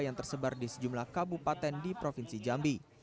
yang tersebar di sejumlah kabupaten di provinsi jambi